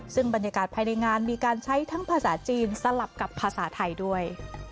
ซึ่งบรรยากาศภายในงานมีการใช้ทั้งภาษาจีนสลับกับภาษาไทยด้วย